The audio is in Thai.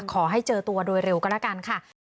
ขอให้เจอตัวโดยเร็วก็แล้วกันค่ะ